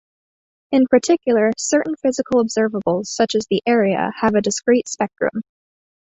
In particular, certain physical observables, such as the area, have a discrete spectrum.